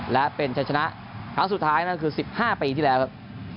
และเป็นชัยชนะครั้งสุดท้ายนั่นคือ๑๕ปีที่แล้วครับ